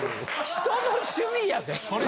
人の趣味やで。